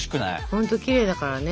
ほんときれいだからね。